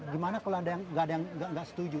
gimana kalau ada yang nggak setuju